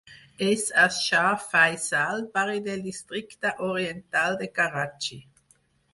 És a Shah Faisal, barri del districte oriental de Karachi.